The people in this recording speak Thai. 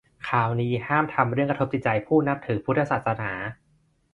คราวนี้ห้ามทำเรื่องกระทบจิตใจผู้นับถือพุทธศาสนา